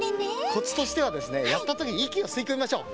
コツとしてはですねやったときいきをすいこみましょう。